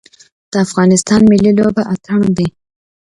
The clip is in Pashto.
د افغانستان ملي لوبه اتن دی